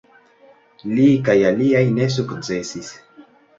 Li kaj aliaj ne sukcesis.